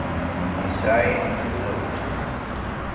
Isɛa-yi nekk d bab-as.